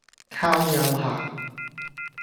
靠右行